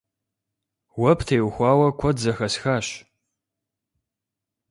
Уэ птеухауэ куэд зэхэсхащ.